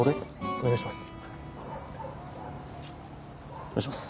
お願いします。